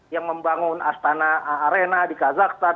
yang membangun astana arena di kazakhstan